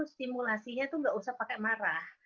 stimulasinya itu nggak usah pakai marah